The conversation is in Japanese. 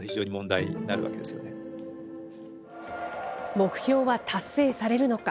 目標は達成されるのか。